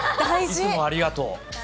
いつもありがとう。